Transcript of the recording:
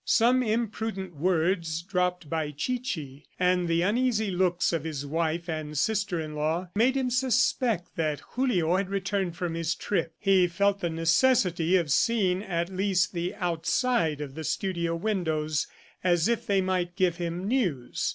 Some imprudent words dropped by Chichi, and the uneasy looks of his wife and sister in law made him suspect that Julio had returned from his trip. He felt the necessity of seeing at least the outside of the studio windows, as if they might give him news.